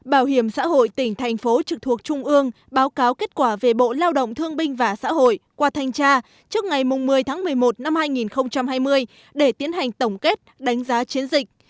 bảo hiểm xã hội tỉnh thành phố trực thuộc trung ương báo cáo kết quả về bộ lao động thương binh và xã hội qua thanh tra trước ngày một mươi tháng một mươi một năm hai nghìn hai mươi để tiến hành tổng kết đánh giá chiến dịch